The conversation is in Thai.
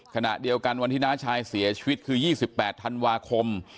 ขณะเดียวกันวันที่น้าชายเสียชีวิตคือ๒๘ธันวาคม